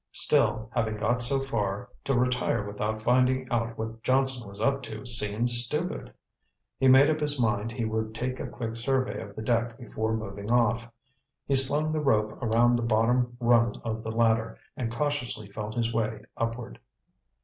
Still, having got so far, to retire without finding out what Johnson was up to seemed stupid. He made up his mind he would take a quick survey of the deck before moving off. He slung the rope around the bottom rung of the ladder, and cautiously felt his way upward.